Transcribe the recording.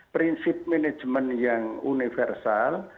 prinsip manajemen yang universal